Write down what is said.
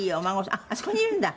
「あっあそこにいるんだ！